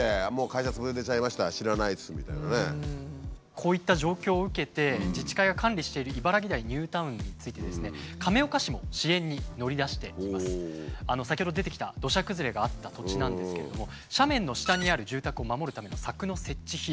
こういった状況を受けて自治会が管理している茨木台ニュータウンについてですね先ほど出てきた土砂崩れがあった土地なんですけれども斜面の下にある住宅を守るための柵の設置費用